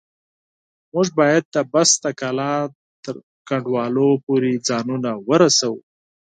موږ بايد د بست د کلا تر کنډوالو پورې ځانونه ورسوو.